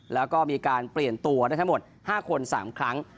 แล้วก็มีการเปลี่ยนตัวได้ทั้งหมด๕คน๓ครั้ง